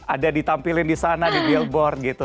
ada ditampilin di sana di billboard gitu